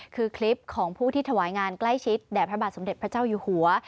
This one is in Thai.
คือคลิปของผู้ที่ถวายงานใกล้ชิดแด่พระบาทสมเด็จพระเจ้าอยู่หัว